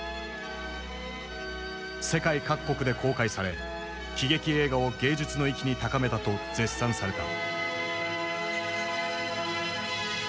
世界各国で公開され喜劇映画を芸術の域に高めたと絶賛された。